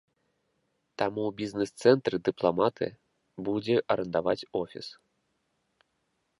Там у бізнэс-цэнтры дыпламаты будзе арандаваць офіс.